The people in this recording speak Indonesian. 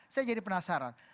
saya jadi penasaran